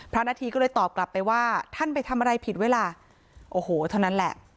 นาธีก็เลยตอบกลับไปว่าท่านไปทำอะไรผิดไว้ล่ะโอ้โหเท่านั้นแหละ